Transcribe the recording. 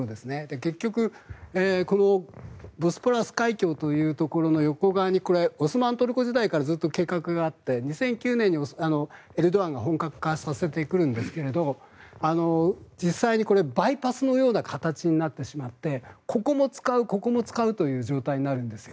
結局、ボスポラス海峡の横側にオスマントルコ時代からずっと計画があって２００９年にエルドアンが本格化させてくるんですが実際にバイパスのような形になってしまってここも使う、ここも使うという状態になるんですよ。